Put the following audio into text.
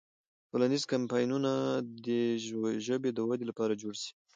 ټولنیز کمپاینونه دې د ژبې د ودې لپاره جوړ سي.